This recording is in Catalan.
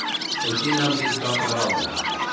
En quin àmbit va prevaldre?